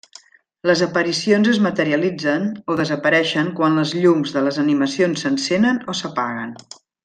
Les aparicions es materialitzen o desapareixen quan les llums de les animacions s'encenen o s'apaguen.